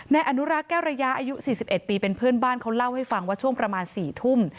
นายอนุรักษ์แก้วระยะอายุ๔๑ปีเป็นเพื่อนบ้านเขาเล่าให้ฟังว่าช่วงประมาณ๔ทุ่ม